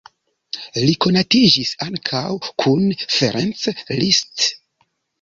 Li konatiĝis ankaŭ kun Ferenc Liszt.